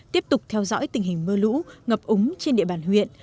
tiếp tục theo dõi tình hình mưa lũ ngập úng trên địa bàn huyện